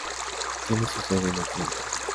Tiene su sede en Atlanta.